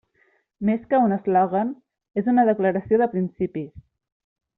Més que un eslògan, és una declaració de principis.